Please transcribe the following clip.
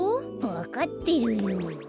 わかってるよ。